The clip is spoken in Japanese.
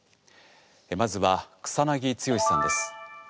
まずは草剛さんです。